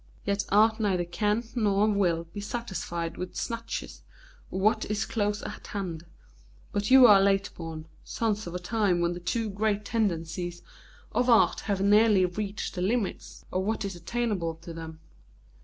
Yet art neither can nor will be satisfied with snatches of what is close at hand; but you are late born, sons of a time when the two great tendencies of art have nearly reached the limits of what is attainable to them.